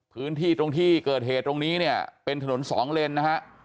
พื้นที่ตรงที่เกิดเหตุตรงนี้เนี่ยเป็นถนนสองเลนนะฮะ